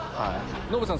ノブさん